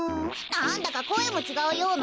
なんだかこえもちがうような。